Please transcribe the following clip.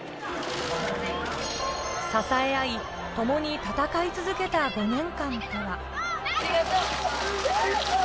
支え合い、ともに戦い続けた５年間とは。